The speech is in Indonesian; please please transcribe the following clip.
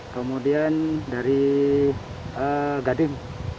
kemudian dari gading